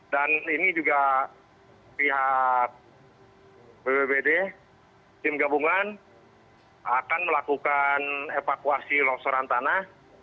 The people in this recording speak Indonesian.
dan ini juga pihak bbbt tim gabungan akan melakukan evakuasi longsoran tanah